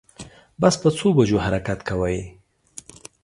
بس په څو بجو حرکت کوی